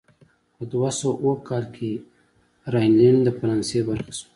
په دوه سوه اووه کال کې راینلنډ د فرانسې برخه شوه.